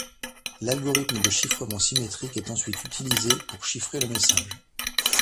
L'algorithme de chiffrement symétrique est ensuite utilisé pour chiffrer le message.